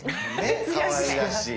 かわいらしい。